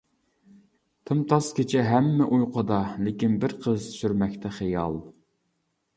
تىمتاس كېچە ھەممە ئۇيقۇدا، لېكىن بىر قىز سۈرمەكتە خىيال.